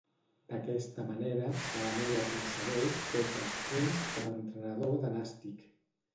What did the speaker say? D'aquesta manera, Salamero aconsegueix tots els punts com a entrenador de Nàstic.